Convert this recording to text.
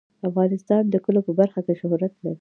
افغانستان د کلیو په برخه کې شهرت لري.